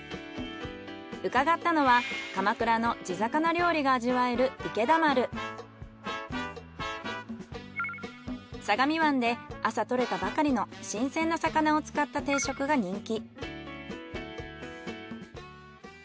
伺ったのは鎌倉の地魚料理が味わえる相模湾で朝獲れたばかりの新鮮な魚を使った定食が人気。